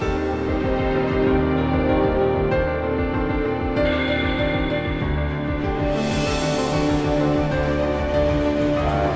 susah banget antibiotics